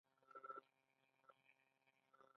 امان الله خان د خپلواکۍ اتل دی.